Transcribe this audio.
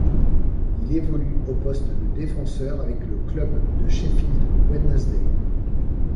Il évolue au poste de défenseur avec le club de Sheffield Wednesday.